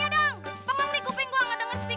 ya terlalu mah kagak ada ginian